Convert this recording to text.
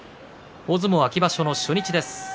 大相撲秋場所の初日です。